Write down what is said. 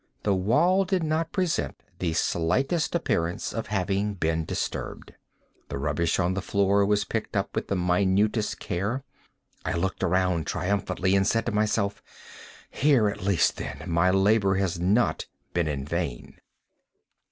The wall did not present the slightest appearance of having been disturbed. The rubbish on the floor was picked up with the minutest care. I looked around triumphantly, and said to myself: "Here at least, then, my labor has not been in vain."